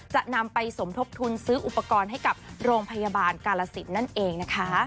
จะนำไปสมทบทุนซื้ออุปกรณ์ให้กับโรงพยาบาลกาลสินนั่นเองนะคะ